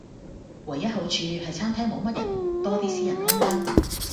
唯一好處係餐廳無乜人，多啲私人空間